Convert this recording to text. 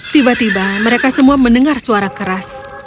tiba tiba mereka semua mendengar suara keras